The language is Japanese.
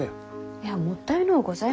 いやもったいのうございます。